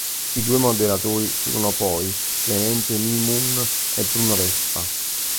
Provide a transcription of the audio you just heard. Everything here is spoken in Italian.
I due moderatori furono poi Clemente Mimun e Bruno Vespa.